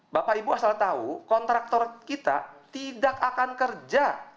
bapak ibu asal tahu kontraktor kita tidak akan kerja